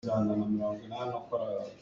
A lenglei in zoh.